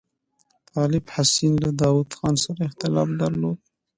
طالب حسین له داوود خان سره اختلاف درلود.